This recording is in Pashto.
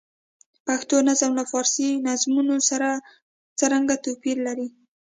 پښتو نظم له فارسي نظمونو سره څرګند توپیر لري.